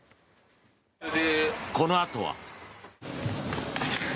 このあとは。